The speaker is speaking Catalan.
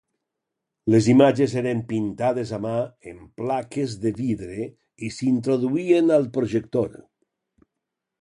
Les imatges eren pintades a mà en plaques de vidre i s'introduïen al projector.